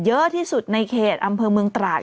เยอะที่สุดในเขตอำเภอเมืองตราด